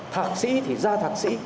thạc sĩ thì ra thạc sĩ